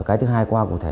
cái thứ hai qua cụ thể